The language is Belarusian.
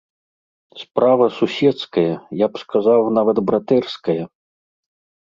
Справа суседская, я б сказаў, нават братэрская.